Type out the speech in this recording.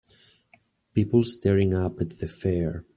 People staring up at the fair.